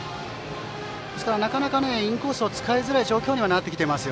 ですから、なかなかインコースを使いづらい状況にはなっています。